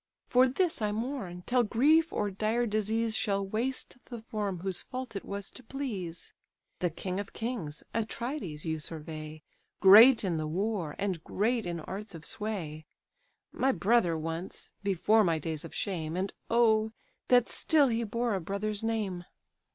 For this I mourn, till grief or dire disease Shall waste the form whose fault it was to please! The king of kings, Atrides, you survey, Great in the war, and great in arts of sway: My brother once, before my days of shame! And oh! that still he bore a brother's name!"